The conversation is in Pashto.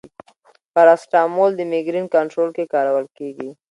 پاراسټامول د مېګرین کنټرول کې کارول کېږي.